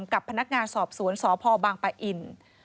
กับพนักงานสอบสวนสพบางปะอิน